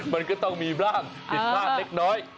มันก็ต้องมีร่างพิกษาเล็ก